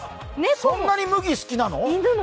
そんなにむぎ好きなの！？